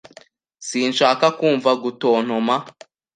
Sinshaka kumva gutontoma.